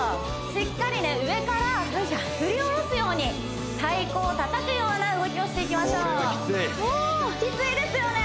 しっかりね上から振り下ろすように太鼓をたたくような動きをしていきましょうこれはきついきついですよね